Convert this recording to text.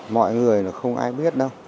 mọi người là không ai biết đâu